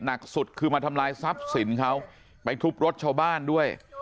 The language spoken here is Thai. หนักสุดคือมาทำลายทรัพย์สินเขาไปทุบรถชาวบ้านด้วย